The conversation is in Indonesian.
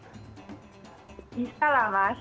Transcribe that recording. bisa lah mas